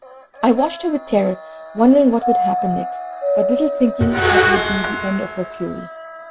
I watched her with terror, wondering what would happen next, but little thinking what would be the end of her fury.